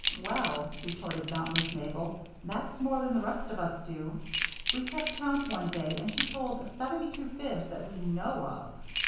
"Well," retorted dauntless Mabel, "that's more than the rest of us do. We kept count one day and she told seventy two fibs that we know of."